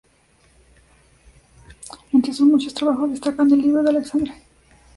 Entre sus muchos trabajos destacan "El libro de Alexandre.